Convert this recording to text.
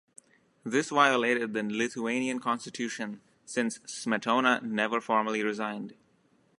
This violated the Lithuanian constitution, since Smetona never formally resigned.